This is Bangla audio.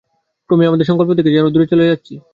ক্রমেই আমরা আমাদের সংকল্প থেকে যেন দূরে চলে যাচ্ছি।